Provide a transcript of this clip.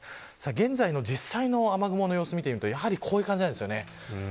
現在の実際の雨雲の様子を見てみると、こういう感じです。